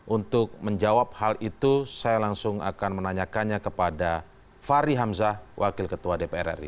untuk menjawab hal itu saya langsung akan menanyakannya kepada fahri hamzah wakil ketua dpr ri